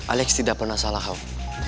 alex tidak pernah salah